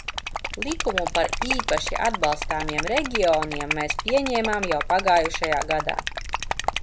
Likumu par īpaši atbalstāmiem reģioniem mēs pieņēmām jau pagājušajā gadā.